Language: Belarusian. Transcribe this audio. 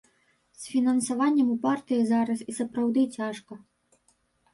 З фінансаваннем у партыі зараз і сапраўды цяжка.